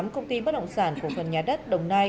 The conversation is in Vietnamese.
công ty bất động sản cổ phần nhà đất đồng nai